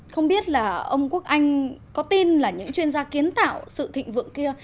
không biết là ông quốc anh có tin là những chuyên gia kiến tạo sự thịnh vượng kia